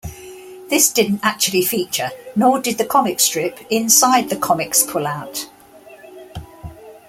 This didn't actually feature, nor did the comic strip, inside the Comix pullout.